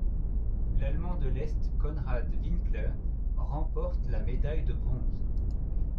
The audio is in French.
L'Allemand de l'Est Konrad Winkler remporte la médaille de bronze.